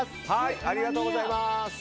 ありがとうございます。